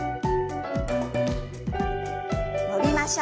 伸びましょう。